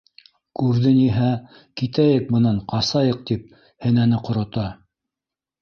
Күрҙе ниһә: «Китәйек бынан, ҡасайыҡ!» - тип һенәне ҡорота.